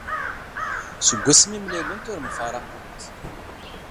Seg wasmi i mlalent ur mfaraqent.